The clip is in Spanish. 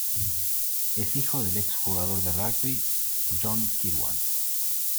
Es hijo del ex jugador de rugby John Kirwan.